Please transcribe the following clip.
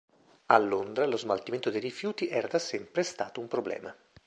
A Londra lo smaltimento dei rifiuti era da sempre stato un problema.